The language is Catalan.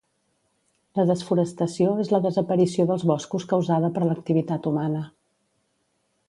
La desforestació és la desaparició dels boscos causada per l'activitat humana.